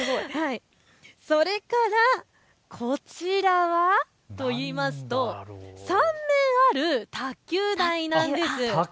それからこちらはといいますと３面ある卓球台なんです。